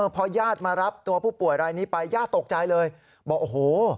พอญาติมารับตัวผู้ป่วยรายนี้ไปญาติตกใจเลยบอกโอ้โห